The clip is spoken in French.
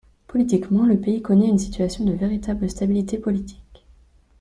Politiquement, le pays connaît une situation de véritable stabilité politique.